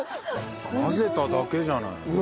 混ぜただけじゃない。